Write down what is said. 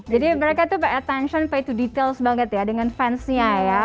jadi mereka tuh pay attention pay to detail banget ya dengan fansnya ya